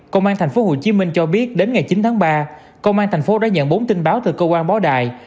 công an tp hcm cho biết đến ngày chín tháng ba công an tp hcm đã nhận bốn tin báo từ cơ quan báo đài